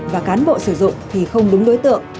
và cán bộ sử dụng thì không đúng đối tượng